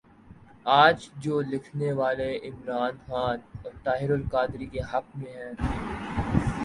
آج جو لکھنے والے عمران خان اور طاہرالقادری کے حق میں ہیں۔